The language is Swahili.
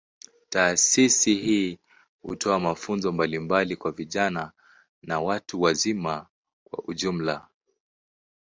Taasisi hii hutoa mafunzo mbalimbali kwa vijana na watu wazima kwa ujumla.